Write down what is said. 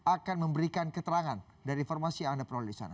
akan memberikan keterangan dari informasi yang anda peroleh di sana